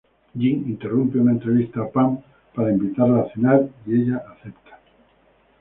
Jim interrumpe una entrevista a Pam para invitarla a cenar, y ella acepta.